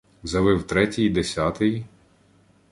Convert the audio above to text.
Завив третій, десятий.